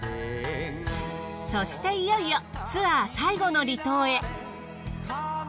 そしていよいよツアー最後の離島へ。